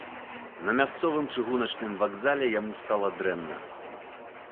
На мясцовым чыгуначным вакзале яму стала дрэнна.